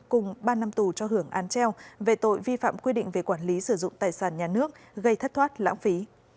cùng ba năm tù cho hưởng án treo về tội vi phạm quy định về quản lý sử dụng tài sản nhà nước gây thất thoát lãng phí